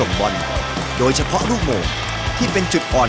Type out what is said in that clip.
มาสอนพวกเราในวันนี้ด้วยครับ